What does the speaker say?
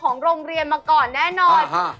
ของโรงเรียนมาก่อนแน่นอน